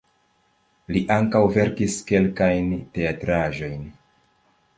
Li ankaŭ verkis kelkajn teatraĵojn.